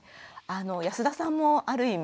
安田さんもある意味